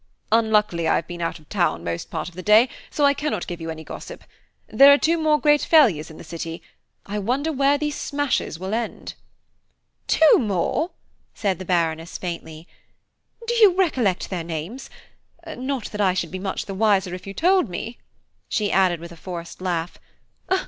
"Unluckily, I have been out of town most part of the day, so I cannot give you any gossip. There are two more great failures in the city. I wonder where these smashes will end." "Two more!" said the Baroness, faintly; "do you recollect their names? not that I should be much the wiser if you told me," she added with a forced laugh.